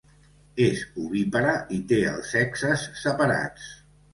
És ovípara i té els sexes separats.